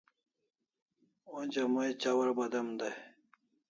Onja mai chawar badem dai